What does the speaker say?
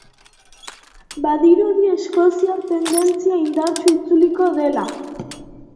Badirudi, eskoziar tendentzia indartsu itzuliko dela.